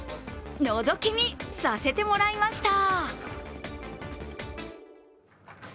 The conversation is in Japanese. のぞき見させてもらいました。